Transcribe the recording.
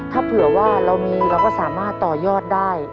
ถ้าเผื่อว่าเรามีเราก็สามารถต่อยอดได้